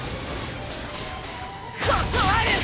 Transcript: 断る！